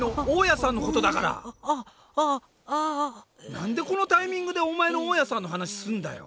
なんでこのタイミングでお前の大家さんの話すんだよ！